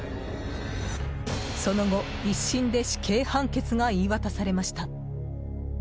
その後、１審で死刑判決が言い渡されました。